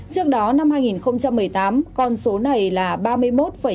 trước đó năm hai nghìn một mươi tám con số này là ba mươi một sáu mươi chín triệu đồng một người